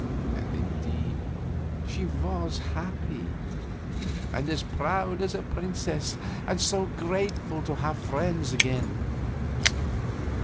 And, indeed, she was happy, and as proud as a princess, and so grateful to have friends again.